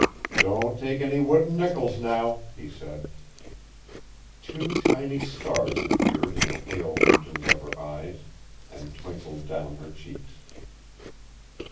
"Don't take any wooden nickels now," he said. Two tiny stars appeared in the pale regions of her eyes and twinkled down her cheeks.